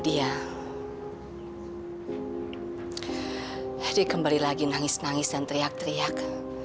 jadi kembali lagi nangis nangis dan teriak teriak